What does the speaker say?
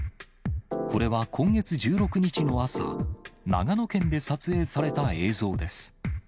これは今月１６日の朝、長野県で撮影された映像です。